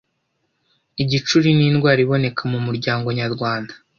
Igicuri ni indwara iboneka mu muryango nyarwanda